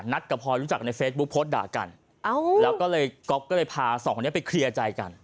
กับพลอยรู้จักในเฟซบุ๊คโพสต์ด่ากันแล้วก็เลยก๊อฟก็เลยพาสองคนนี้ไปเคลียร์ใจกัน